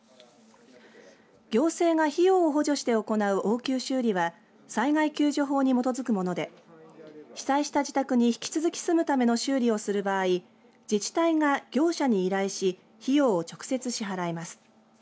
行政が費用を補助して行う応急修理は災害救助法に基づくもので被災した自宅に引き続き住むための修理をする場合自治体が業者に依頼し費用を直接支払います。